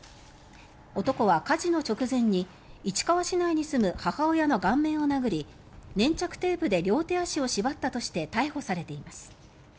男は火事の直前に市川市内に住む母親の顔面を殴り粘着テープで両手足を縛ったとして逮捕されています。